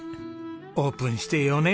オープンして４年。